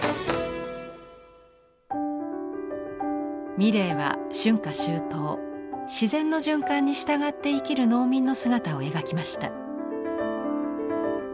ミレーは春夏秋冬自然の循環に従って生きる農民の姿を描きました。